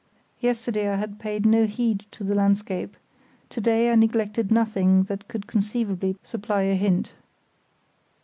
Yesterday I had paid no heed to the landscape; to day I neglected nothing that could conceivably supply a hint.